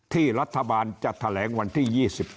ที่รัฐบาลจะแถลงวันที่๒๗